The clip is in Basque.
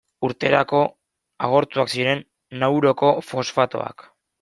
Urterako agortuak ziren Nauruko fosfatoak.